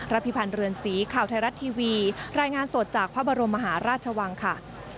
พิพันธ์เรือนสีข่าวไทยรัฐทีวีรายงานสดจากพระบรมมหาราชวังค่ะ